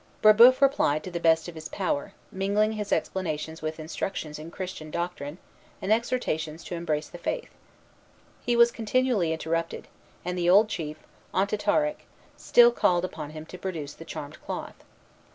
Brébeuf replied to the best of his power, mingling his explanations with instructions in Christian doctrine and exhortations to embrace the Faith. He was continually interrupted; and the old chief, Ontitarac, still called upon him to produce the charmed cloth.